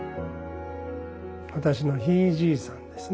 私のひいじいさんですね。